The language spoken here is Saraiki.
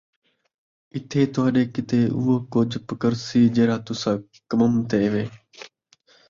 اَتے تُہاݙے کِیتے اُوہو کُجھ پکرسی، جِہڑا تُساں کَمتّے،